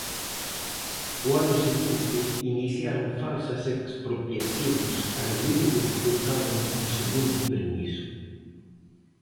O ano seguinte iniciaron falsas expropiacións argüíndo que contaban cun segundo permiso.